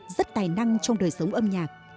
rất tài năng trong đời sống âm nhạc